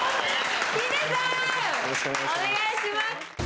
よろしくお願いします。